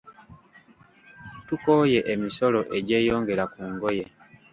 Tukooye emisolo egyeyongera ku ngoye.